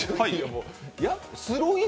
「スロイジ」